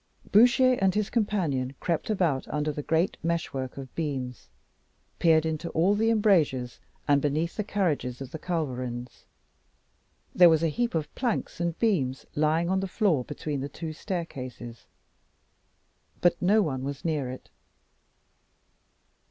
Bouchier and his companion crept about under the great meshwork of beams peered into all the embrasures, and beneath the carriages of the culverins. There was a heap of planks and beams lying on the floor between the two staircases, but no one was near it.